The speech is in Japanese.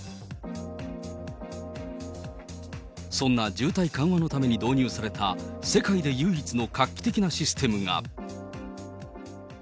そんな渋滞緩和のために導入された、世界で唯一の画期的なシステムが。